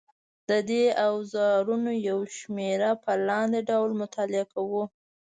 د دې اوزارونو یوه شمېره په لاندې ډول مطالعه کوو.